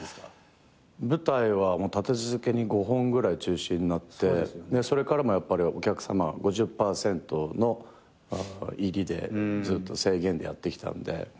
舞台は立て続けに５本ぐらい中止になってそれからもやっぱりお客さま５０％の入りでずっと制限でやってきたんで。